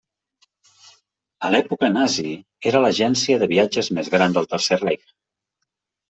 A l'època nazi era l'agència de viatges més gran del Tercer Reich.